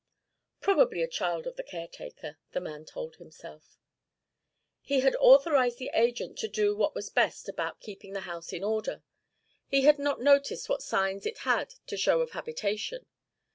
'Probably a child of the caretaker,' the man told himself. He had authorized the agent to do what was best about keeping the house in order. He had not noticed what signs it had to show of habitation.